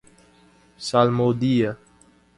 Salmodia